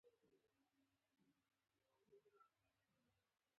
• بښل خدای ته نېږدې کوي.